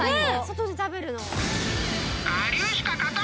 外で食べるの。